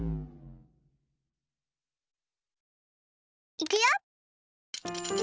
いくよ！